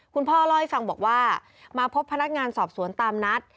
คุณพ่อเล่าให้ฟังบอกว่ามาพบพนักงานสอบสวนตามนัด